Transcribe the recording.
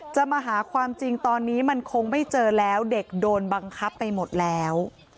มาหาความจริงตอนนี้มันคงไม่เจอแล้วเด็กโดนบังคับไปหมดแล้ว